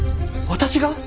私が！？